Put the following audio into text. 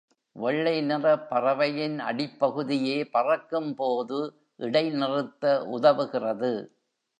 வெள்ளை நிற பறவையின் அடிப்பகுதியே பறக்கும் போது இடைநிறுத்த உதவுகிறது.